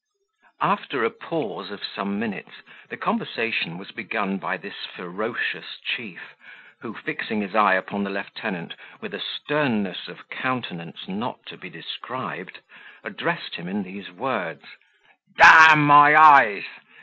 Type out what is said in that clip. After a pause of some minutes, the conversation was begun by this ferocious chief, who, fixing his eye upon the lieutenant with a sternness of countenance not to be described, addressed him in these words: "D my eyes!